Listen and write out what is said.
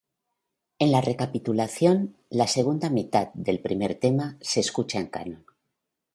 En la recapitulación, la segunda mitad del primer tema se escucha en canon.